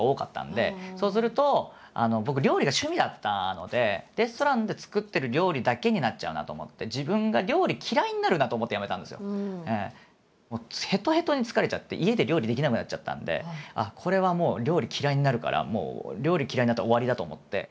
そうすると僕料理が趣味だったのでレストランで作ってる料理だけになっちゃうなあと思ってへとへとに疲れちゃって家で料理できなくなっちゃったんであっこれはもう料理嫌いになるからもう料理嫌いになったら終わりだと思って。